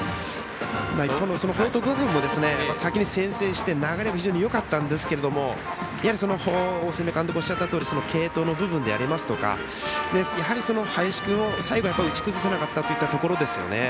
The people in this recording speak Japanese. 一方の報徳学園も先に先制して流れは非常によかったんですけど大角監督がおっしゃったとおり継投の部分であるとか林君を最後打ち崩せなかったところですよね。